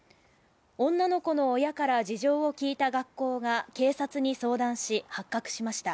女の子の親から事情を聴いた学校が警察に相談し発覚しました。